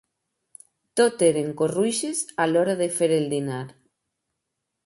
Tot eren corruixes a l'hora de fer el dinar.